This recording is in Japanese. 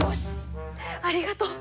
ありがとう！